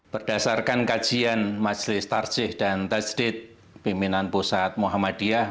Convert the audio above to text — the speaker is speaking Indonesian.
berdasarkan kajian majelis tarjih dan tajdid pimpinan pusat muhammadiyah